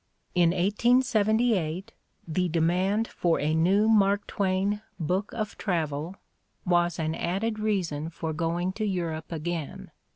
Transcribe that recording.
In 1878, the demand for a new Mark Twain book of travel was "an added reason for going to Europe again."